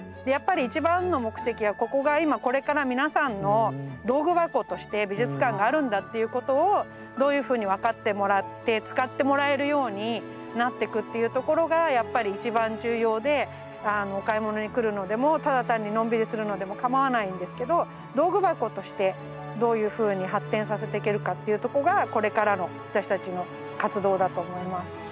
やっぱり一番の目的はここが今これから皆さんの道具箱として美術館があるんだっていうことをどういうふうに分かってもらって使ってもらえるようになってくというところがやっぱり一番重要でお買い物に来るのでもただ単にのんびりするのでもかまわないんですけど道具箱としてどういうふうに発展させてけるかというとこがこれからの私たちの活動だと思います。